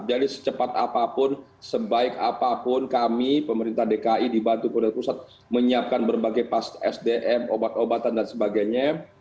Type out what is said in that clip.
jadi secepat apapun sebaik apapun kami pemerintah dki dibantu kudai pusat menyiapkan berbagai pas sdm obat obatan dan sebagainya